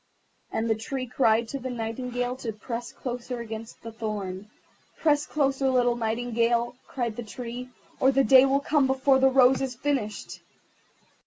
And the Tree cried to the Nightingale to press closer against the thorn. "Press closer, little Nightingale," cried the Tree, "or the Day will come before the rose is finished."